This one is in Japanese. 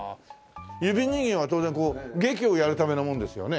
指人形は当然こう劇をやるためのものですよね？